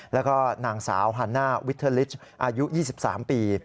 แล้วก็นางสาวฮันน่าวิทเทอร์ลิสอายุ๒๓ปี